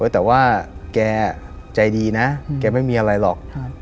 แต่ว่าแกใจดีนะแกไม่มีอะไรหรอก